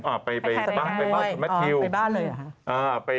อ้าวไปบ้านไปบ้านเลย